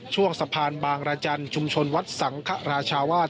ช่วงสะพานบางรจันทร์ชุมชนวัดสังคราชาวาส